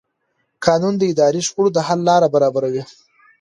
قانون د اداري شخړو د حل لاره برابروي.